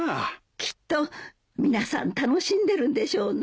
きっと皆さん楽しんでるんでしょうね。